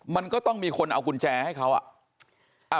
มันก็ต้องมีคนเอากุญแจให้เขาอ่ะ